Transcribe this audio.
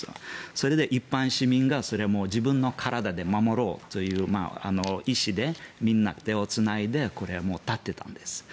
それで一般市民がそれを自分の体で守ろうという意思でみんな、手をつないで立っていたんです。